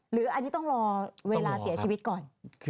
หรืออันนี้ต้องรอเวลาเสียชีวิตก่อน